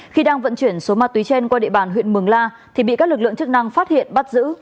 khi đang vận chuyển số ma túy trên qua địa bàn huyện mường la thì bị các lực lượng chức năng phát hiện bắt giữ